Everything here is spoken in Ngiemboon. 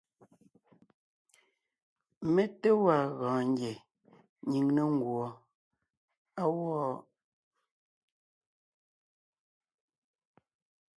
Mé té gwaa gɔɔn ngie nyìŋ ne nguɔ á gwɔ.